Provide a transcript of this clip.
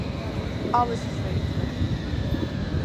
Alles is regele.